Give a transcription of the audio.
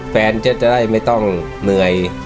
แฟนจะได้ไม่ต้องเหนื่อย